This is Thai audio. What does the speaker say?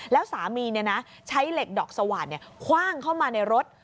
แล้วสามีใช้เหล็กดอกสว่านคว่างเข้ามาในรถ